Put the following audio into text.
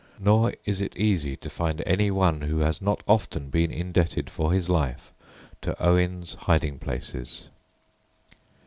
Nor is it easy to find anyone who had not often been indebted for his life to Owen's hiding places."